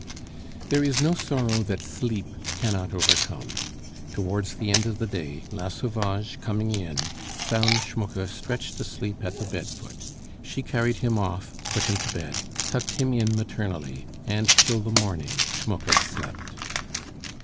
There is no sorrow that sleep cannot overcome. Towards the end of the day La Sauvage, coming in, found Schmucke stretched asleep at the bed foot. She carried him off, put him to bed, tucked him in maternally, and till the morning Schmucke slept.